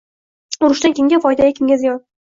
Urushdan kimga foyda-yu, kimga ziyon.